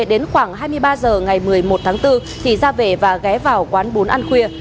đến khoảng hai mươi ba h ngày một mươi một tháng bốn thì ra về và ghé vào quán bốn ăn khuya